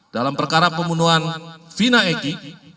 dalam perkara pembunuhan vina eki